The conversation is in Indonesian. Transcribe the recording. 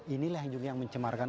inilah yang juga mencemarkan